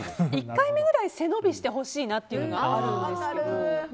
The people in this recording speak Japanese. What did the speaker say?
１回目ぐらい背伸びしてほしいなというのがあるんですけど。